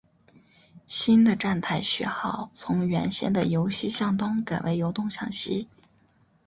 新的站台序号从原先的由西向东改为由东向西。